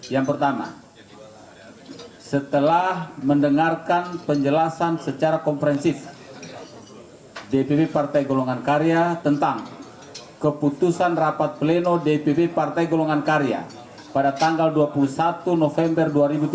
yang pertama setelah mendengarkan penjelasan secara komprehensif dpp partai golongan karya tentang keputusan rapat pleno dpp partai golongan karya pada tanggal dua puluh satu november dua ribu tujuh belas